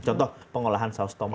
contoh pengolahan saus tomat